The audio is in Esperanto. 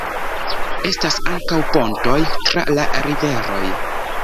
Estas ankaŭ pontoj tra la riveroj.